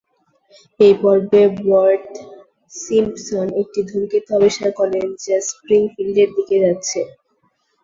এই পর্বে Bart Simpson একটি ধূমকেতু আবিষ্কার করেন, যা স্প্রিংফিল্ডের দিকে যাচ্ছে।